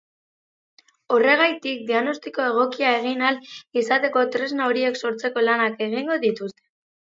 Horregatik, diagnostiko egokia egin ahal izateko tresna horiek sortzeko lanak egingo dituzte.